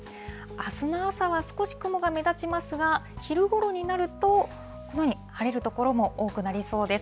あすの朝は少し雲が目立ちますが、昼ごろになると、このように晴れる所も多くなりそうです。